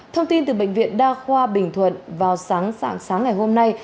thông tin từ bệnh viện đa khoa bình thuận vào sáng sáng sáng ngày hôm nay